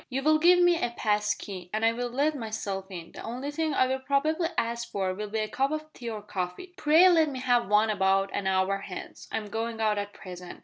You will give me a pass key, and I will let myself in. The only thing I will probably ask for will be a cup of tea or coffee. Pray let me have one about an hour hence. I'm going out at present.